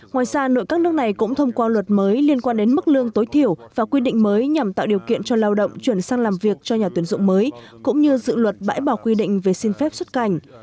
ngoài ra nội các nước này cũng thông qua luật mới liên quan đến mức lương tối thiểu và quy định mới nhằm tạo điều kiện cho lao động chuyển sang làm việc cho nhà tuyển dụng mới cũng như dự luật bãi bỏ quy định về xin phép xuất cảnh